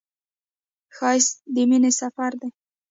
ښایست د مینې سفر دی